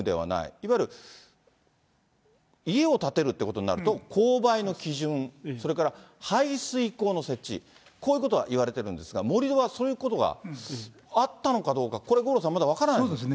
いわゆる家を建てるということになると、勾配の基準、それから排水溝の設置、こういうことが言われているんですが、盛り土は、そういうことがあったのかどうか、これ、五郎さん、まだそうですね。